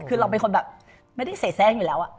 คือเราเป็นคนแบบไม่ได้เสียแทรกอยู่แล้ว